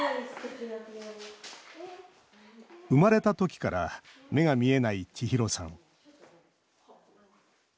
生まれたときから目が見えない、ちひろさん。